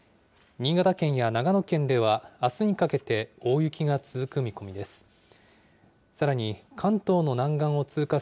新潟県や長野県では、あすにかけて大雪が続く見込みです。